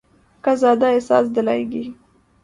کا زیادہ احساس دلائیں گی۔